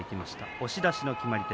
押し出しの決まり手。